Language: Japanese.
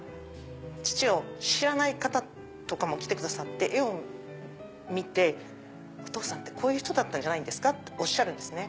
父を知らない方とかも来てくださって絵を見て「お父さんってこういう人？」っておっしゃるんですね。